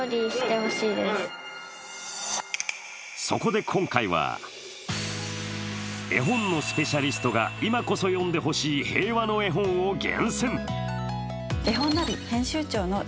そこで今回は、絵本のスペシャリストが今こそ読んでほしい平和の絵本を厳選。